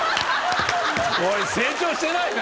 おい成長してないな！